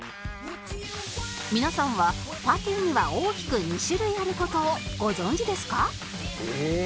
皆さんはパティには大きく２種類ある事をご存じですか？